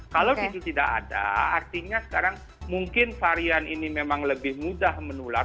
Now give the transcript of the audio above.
kalau itu tidak ada artinya sekarang mungkin varian ini memang lebih mudah menular